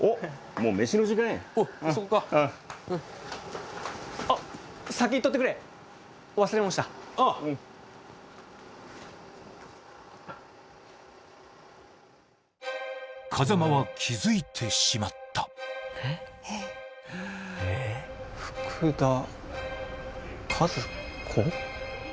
もう飯の時間やおっそうかあっ先行っとってくれ忘れ物した・ああ・うん風間は気づいてしまった福田和子？